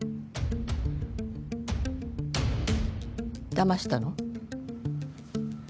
だましたの？